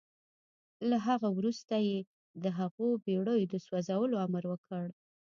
له هغه وروسته يې د هغو بېړيو د سوځولو امر وکړ.